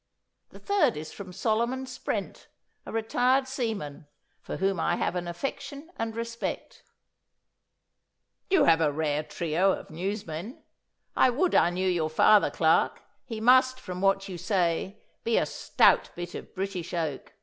The third is from Solomon Sprent, a retired seaman, for whom I have an affection and respect.' 'You have a rare trio of newsmen. I would I knew your father, Clarke, he must, from what you say, be a stout bit of British oak.